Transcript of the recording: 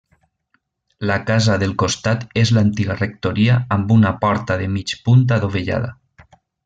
La casa del costat és l'antiga rectoria amb una porta de mig punt adovellada.